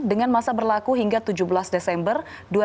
dengan masa berlaku hingga tujuh belas desember dua ribu dua puluh